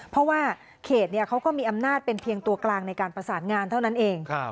เพราะว่าเขตเขาก็มีอำนาจเป็นเพียงตัวกลางในการประสานงานเท่านั้นเอง